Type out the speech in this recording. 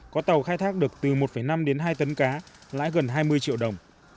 có tàu khai thác được từ một năm đến hai tấn cá lãi gần hai mươi triệu đồng